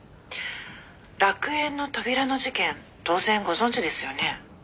「楽園の扉の事件当然ご存じですよね？」